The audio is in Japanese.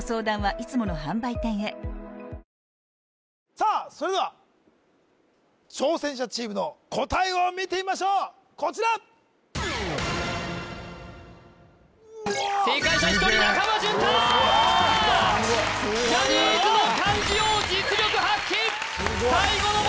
さあそれでは挑戦者チームの答えを見てみましょうこちら正解者１人中間淳太ジャニーズの漢字王実力発揮